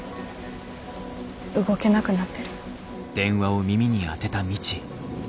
動けなくなってる。